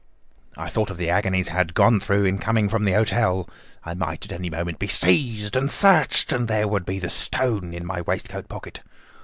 I thought of the agonies I had gone through in coming from the hotel. I might at any moment be seized and searched, and there would be the stone in my waistcoat pocket.